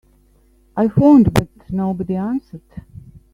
I phoned but nobody answered.